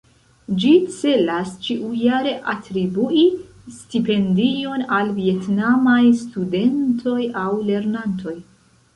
Ĝi celas ĉiujare atribui stipendion al vjetnamaj studentoj aŭ lernantoj.